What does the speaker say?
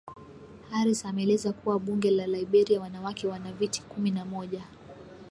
Harris ameeleza kuwa Bunge la Liberia wanawake wana viti kumi na moja